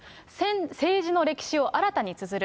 政治の歴史を新たにつづる。